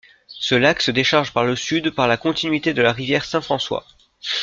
Ce lac se décharge par le Sud par la continuité de la rivière Saint-François.